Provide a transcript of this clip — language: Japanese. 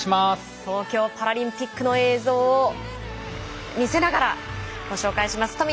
東京パラリンピックの映像を見せながらご紹介します。